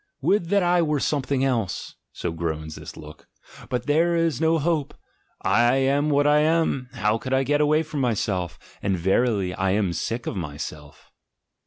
"Would that I were something else," so groans this look, "but there is no hope. I am what I am: how could I get away from myself? And, verily —/ am sick of myself!"